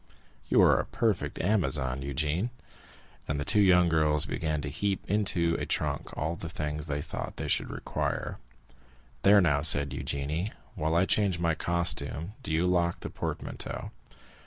"You are a perfect Amazon, Eugénie!" And the two young girls began to heap into a trunk all the things they thought they should require. "There now," said Eugénie, "while I change my costume do you lock the portmanteau."